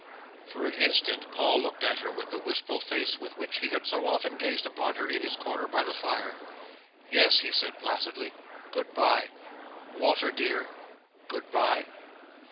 For an instant, Paul looked at her with the wistful face with which he had so often gazed upon her in his corner by the fire. "Yes," he said placidly, "good bye! Walter dear, good bye!"